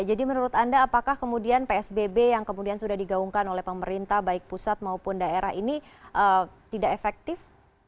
jadi menurut anda apakah kemudian psbb yang kemudian sudah digaungkan oleh pemerintah baik pusat maupun daerah ini tidak efektif